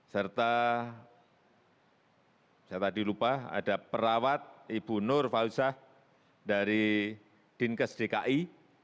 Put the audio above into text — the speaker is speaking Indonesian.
serta saya tadi lupa ada perawat ibu nur fausaha dari dinkes dki